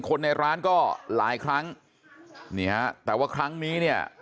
คนในร้านก็หลายครั้งนี่ฮะแต่ว่าครั้งนี้เนี่ย